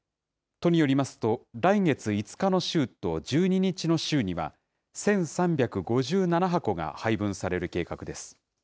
都によりますと、来月５日の週と１２日の週には、１３５７箱が配分される計画です。